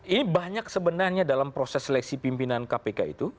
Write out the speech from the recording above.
ini banyak sebenarnya dalam proses seleksi pimpinan kpk itu